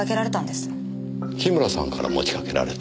樋村さんから持ちかけられた。